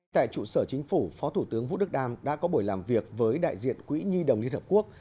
tại trụ sở chính phủ phó thủ tướng vũ đức đam đã có buổi làm việc với đại diện quỹ nhi đồng liên hợp quốc